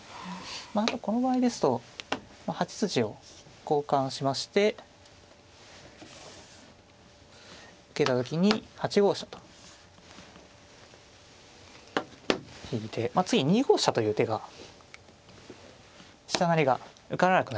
まああとこの場合ですと８筋を交換しまして受けた時に８五飛車と引いて次に２五飛車という手が飛車成りが受からなくなるので。